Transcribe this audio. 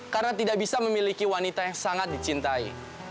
karena tidak bisa memiliki wanita yang sangat dicintai